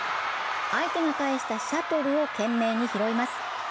相手が返したシャトルを懸命に拾います。